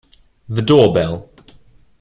The door bell.